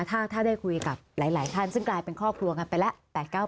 ถ้าได้คุยกับหลายท่านซึ่งกลายเป็นครอบครัวกันไปแล้ว